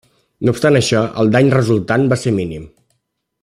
No obstant això, el dany resultant va ser mínim.